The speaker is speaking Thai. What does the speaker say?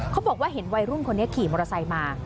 เขาบอกว่าเห็นวัยรุ่นคนนี้ขี่มอเตอร์ไซค์มา